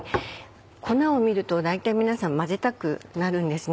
粉を見ると大体皆さん混ぜたくなるんですね。